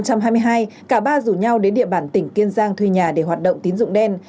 cả ba rủ nhau đến địa bản tỉnh kiên giang thuê nhà để hoạt động tín dụng đen